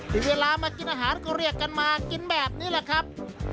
มีเวลามากินอาหารก็เรียกกันมากินแบบนี้แหละครับ